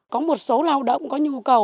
có một số lao động có nhu cầu